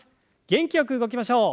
元気よく動きましょう。